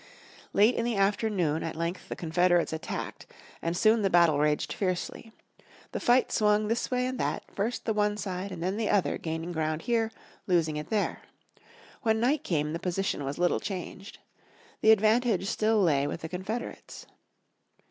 Late in the afternoon at length the Confederates attacked, and soon the battle raged fiercely. The fight swung this way and that, first the one side and then the other gaining ground here, losing it there. When night came the position was little changed. The advantage still lay with the Confederates.